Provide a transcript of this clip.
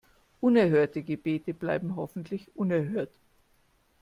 Unerhörte Gebete bleiben hoffentlich unerhört.